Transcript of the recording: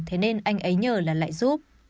thế nên anh ấy nhờ là lại giúp